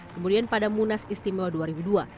kemudian pada munas istimewa dua ribu dua